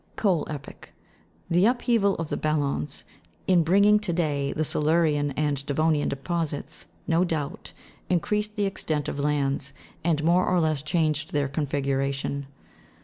Coal epoch. The upheaval of the Ballons, in bringing " to day" the Silurian and Devonian deposits, no doubt, increased the extent of lands, and more or less changed their configuration.